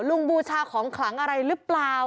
บูชาของขลังอะไรหรือเปล่า